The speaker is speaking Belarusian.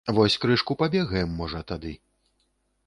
Вось крышку пабегаем, можа, тады.